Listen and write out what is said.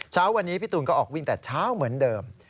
เช้าวันนี้พี่ตูนก็ออกวิ่งแต่เช้าเหมือนเดิม